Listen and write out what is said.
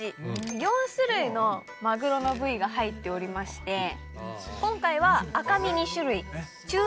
４種類のマグロの部位が入っておりまして今回は。